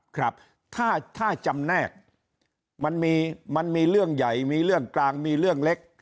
ครับถ้าจำแนกมันมีเรื่องใหญ่มีเรื่องกลางมีเรื่องเล็ก